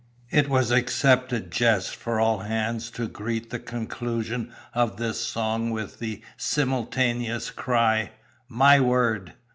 It was the accepted jest for all hands to greet the conclusion of this song with the simultaneous cry: "My word!"